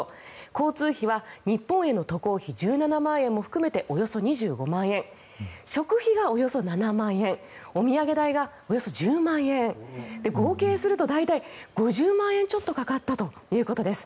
交通費は日本への渡航費含めておよそ２５万円食費がおよそ７万円お土産代がおよそ１０万円合計すると大体５０万円ちょっとかかったということです。